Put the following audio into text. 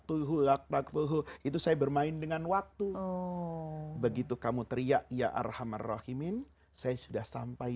tuh laklak tuh itu saya bermain dengan waktu begitu kamu teriak ya arhamarrohimin saya sudah sampai